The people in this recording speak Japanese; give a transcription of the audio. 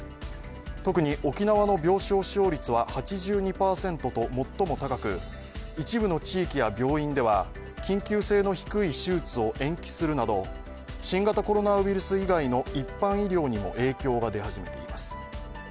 特に沖縄の病床使用率は８２％と最も高く、一部の地域や病院では緊急性の低い手術を延期するなど、新型コロナウイルス以外の一般医療にも影響が出始めています。